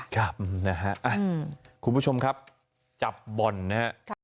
ครับคุณผู้ชมครับจับบ่อนนะครับ